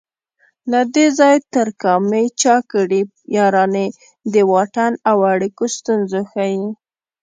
له دې ځای تر کامې چا کړي یارانې د واټن او اړیکو ستونزې ښيي